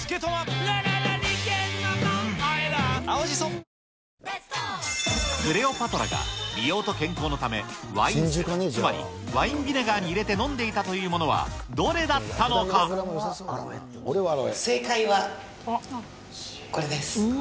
１、クレオパトラが美容と健康のため、ワイン酢、つまりワインビネガーに入れて飲んでいたというものはどれだった正解は、これです。